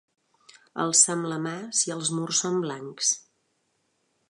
Alcem la mà si els murs són blancs!